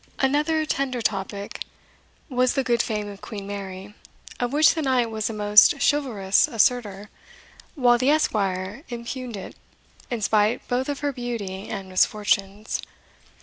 Another tender topic was the good fame of Queen Mary, of which the knight was a most chivalrous assertor, while the esquire impugned it, in spite both of her beauty and misfortunes.